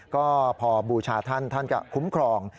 ก็พอบูชาท่านท่านก็คุ้มครอง